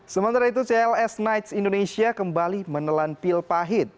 sementara itu cls knights indonesia kembali menelan pil pahit